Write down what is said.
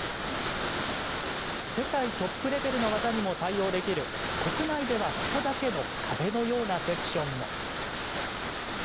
世界トップレベルの技にも対応できる国内ではここだけの壁のようなセクションも。